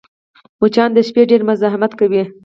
مچان د شپې ډېر مزاحمت کوي